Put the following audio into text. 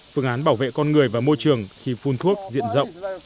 phương án bảo vệ con người và môi trường khi phun thuốc diện rộng